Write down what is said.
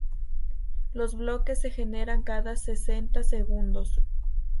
Los bloques se generan cada sesenta segundos.